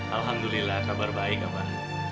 alhamdulillah kabar baik abah